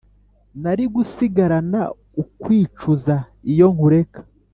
nari gusigarana ukwicuzaiyo nkureka